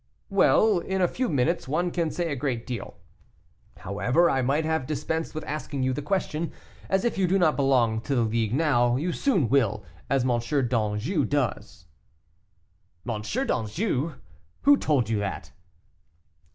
"Well! in a few minutes one can say a great deal; however, I might have dispensed with asking you the question, as if you do not belong to the League now, you soon will, as M. d'Anjou does." "M. d'Anjou! Who told you that?"